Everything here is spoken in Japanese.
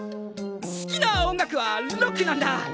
好きな音楽はロックなんだ！